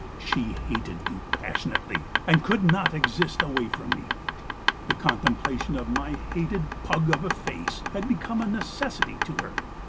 She hated me passionately, and could not exist away from me. The contemplation of my hated pug of a face had become a necessity to her.